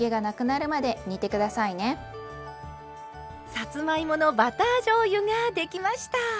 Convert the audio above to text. さつまいものバターじょうゆができました。